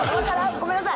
ごめんなさい。